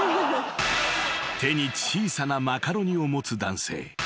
［手に小さなマカロニを持つ男性］